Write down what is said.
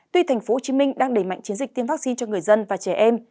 tuy tp hcm đang đẩy mạnh chiến dịch tiêm vaccine cho người dân và trẻ em